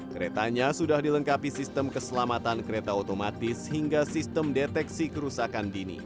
keretanya sudah dilengkapi sistem keselamatan kereta otomatis hingga sistem deteksi kerusakan dini